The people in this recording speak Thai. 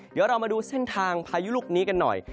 เดี๋ยวเรามาดูเส้นทางพายุลูกนี้กันหน่อย